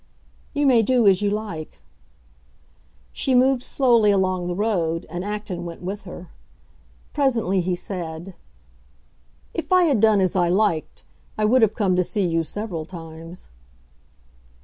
"You may do as you like." She moved slowly along the road, and Acton went with her. Presently he said, "If I had done as I liked I would have come to see you several times."